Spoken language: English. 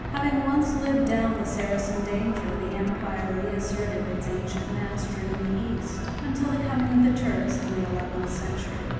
Having once lived down the Saracen danger, the empire reasserted its ancient mastery in the East, until the coming of the Turks in the eleventh century.